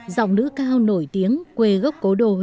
dòng nữ cao nổi tiếng quê gốc cổ đồ huế